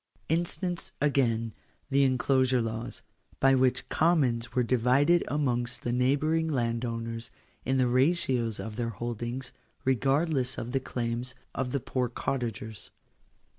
Instance again the In closure Laws, by which commons were divided amongst the neighbouring landowners, in the ratios of their holdings, regardless of the claims of the poor cottagers.